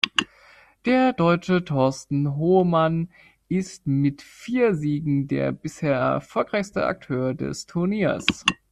Der Deutsche Thorsten Hohmann ist mit vier Siegen der bisher erfolgreichste Akteur des Turniers.